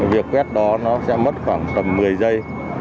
việc quét đó sẽ mất khoảng tầm một mươi giây đối với một khán giả